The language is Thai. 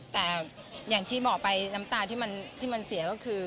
แต่อย่างที่บอกไปน้ำตาที่มันเสียก็คือ